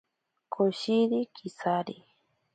Koshiri kisakiri.